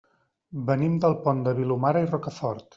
Venim del Pont de Vilomara i Rocafort.